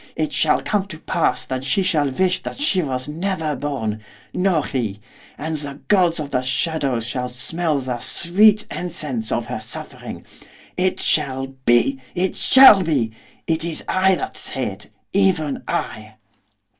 it shall come to pass that she shall wish that she was never born, nor he! and the gods of the shadows shall smell the sweet incense of her suffering! It shall be! it shall be! It is I that say it, even I!